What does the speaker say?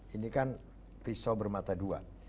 ini kan pisau bermata dua